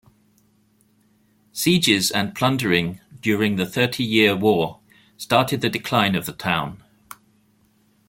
Sieges and plundering during the Thirty Year War started the decline of the town.